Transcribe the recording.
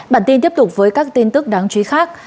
bản tin tiếp tục với các tin tức đáng chú ý khác